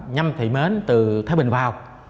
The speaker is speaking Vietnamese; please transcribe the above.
nhâm thị mến từ thái bình vào